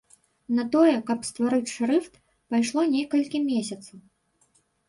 На тое, каб стварыць шрыфт, пайшло некалькі месяцаў.